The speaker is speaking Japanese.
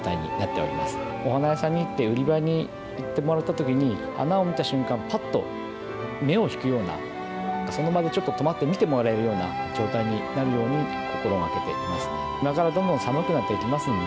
お花屋さんに行って売り場に行ってもらったときに花を見た瞬間ぱっと目を引くようなその場でちょっと止まって見てもらえるような状態になるように心がけています。